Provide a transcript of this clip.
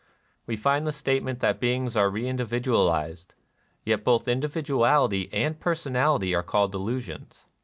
We find the statement that beings are reindividual ized; yet both individuality and personality are called illusions.